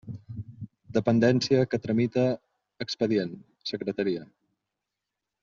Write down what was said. Dependència que tramita expedient: secretaria.